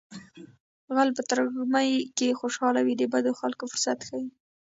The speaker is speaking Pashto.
غل په ترږمۍ کې خوشحاله وي د بدو خلکو فرصت ښيي